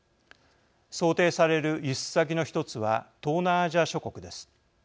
想定される輸出先の１つは東南アジア諸国です。